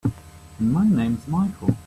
And my name's Michael.